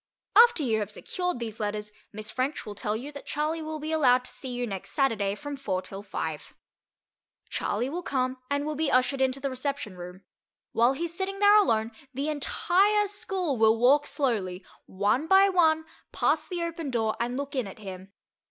After you have secured these letters, Miss French will tell you that Charley will be allowed to see you next Saturday from four till five. Charley will come and will be ushered into the reception room. While he is sitting there alone, the entire school will walk slowly, one by one, past the open door and look in at him.